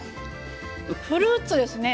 フルーツですね。